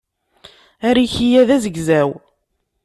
Ariki-a d azegzaw.